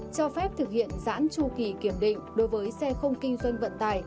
cho phép thực hiện giãn tru kỳ kiểm định đối với xe không kinh doanh vận tải